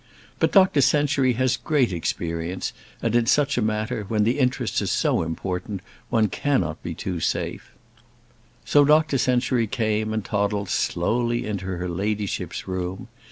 "But Dr Century has great experience, and in such a matter, when the interests are so important, one cannot be too safe." So Dr Century came and toddled slowly into her ladyship's room.